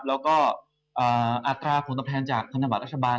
แล้วก็อัตราผลตอบแทนจากธนบัตรรัฐบาล